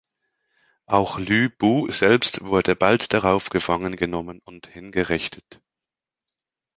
Auch Lü Bu selbst wurde bald darauf gefangen genommen und hingerichtet.